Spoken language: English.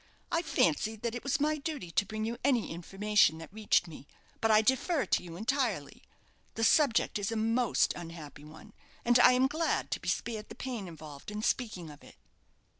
I fancied that it was my duty to bring you any information that reached me; but I defer to you entirely. The subject is a most unhappy one, and I am glad to be spared the pain involved in speaking of it."